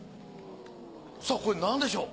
さあこれ何でしょう？